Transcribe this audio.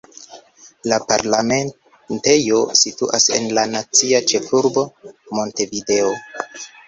La parlamentejo situas en la nacia ĉefurbo Montevideo.